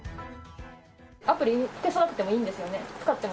アプリ消さなくてもいいんですよね？